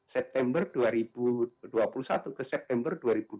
september dua ribu dua puluh satu ke september dua ribu dua puluh